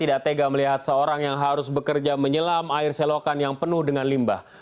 tidak tega melihat seorang yang harus bekerja menyelam air selokan yang penuh dengan limbah